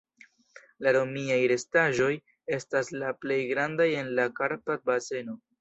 La romiaj restaĵoj estas la plej grandaj en la Karpat-baseno.